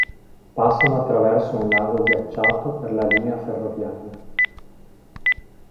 Passano attraverso un lago ghiacciato per la linea ferroviaria.